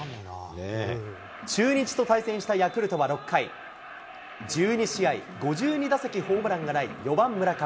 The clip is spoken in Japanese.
中日と対戦したヤクルトは６回、１２試合５２打席ホームランがない４番村上。